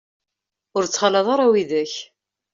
Ur ttxalaḍ ara widak.